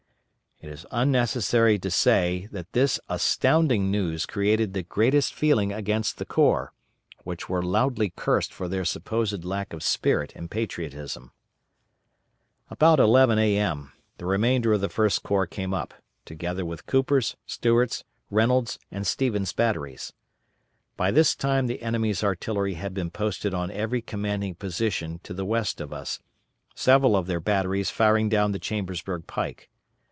It is unnecessary to say that this astounding news created the greatest feeling against the corps, who were loudly cursed for their supposed lack of spirit and patriotism. About 11 A.M., the remainder of the First Corps came up, together with Cooper's, Stewart's, Reynolds', and Stevens' batteries. By this time the enemy's artillery had been posted on every commanding position to the west of us, several of their batteries firing down the Chambersburg pike.